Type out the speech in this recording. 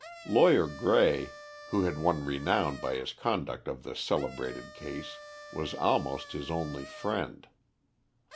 Lawyer Grey, who had won renown by his conduct of the celebrated case, was almost his only friend.